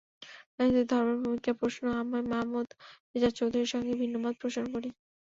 রাজনীতিতে ধর্মের ভূমিকার প্রশ্নে আমি মাহমুদ রেজা চৌধুরীর সঙ্গে ভিন্নমত পোষণ করি।